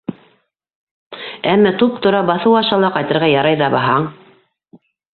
Әммә туп-тура, баҫыу аша ла ҡайтырға ярай ҙа баһаң.